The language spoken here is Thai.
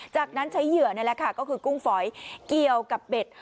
จากนั้นใช้เหยื่อนี่แหละค่ะก็คือกุ้งฝอยเกี่ยวกับเบ็ด